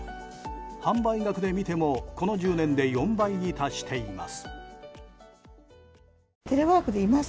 販売額で見ても、この１０年で４倍に達しています。